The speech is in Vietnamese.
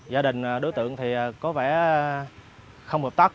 gia đình đối tượng thì có vẻ không hợp tác